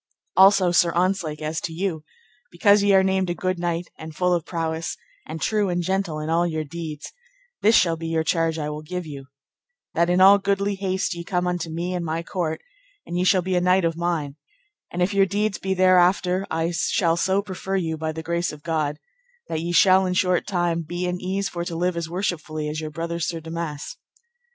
Also, Sir Ontzlake, as to you, because ye are named a good knight, and full of prowess, and true and gentle in all your deeds, this shall be your charge I will give you, that in all goodly haste ye come unto me and my court, and ye shall be a knight of mine, and if your deeds be thereafter I shall so prefer you, by the grace of God, that ye shall in short time be in ease for to live as worshipfully as your brother Sir Damas.